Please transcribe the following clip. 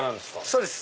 そうです。